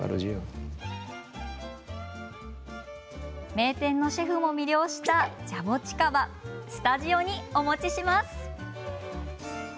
名店のシェフも魅了したジャボチカバスタジオにお持ちします。